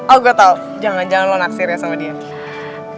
aku tau jangan jangan lo naksir ya sama dia